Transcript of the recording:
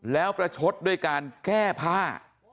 แล้วประชดด้วยการแก้ผ้า